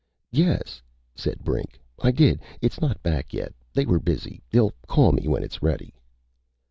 "Yes," said Brink. "I did. It's not back yet. They were busy. They'll call me when it's ready."